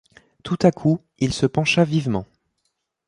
Tout à coup il se pencha vivement.